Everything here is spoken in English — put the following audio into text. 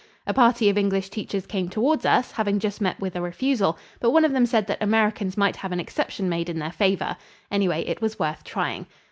A party of English teachers came toward us, having just met with a refusal, but one of them said that Americans might have an exception made in their favor. Anyway, it was worth trying.